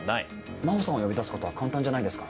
真帆さんを呼び出すことは簡単じゃないですか？